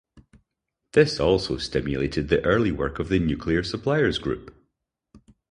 This also stimulated the early work of the Nuclear Suppliers Group.